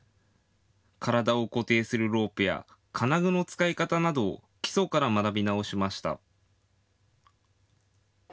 体を固定するロープや金具の使い方などを基礎から学び直しました。